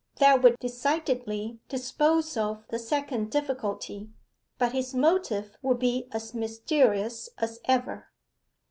'That would decidedly dispose of the second difficulty. But his motive would be as mysterious as ever.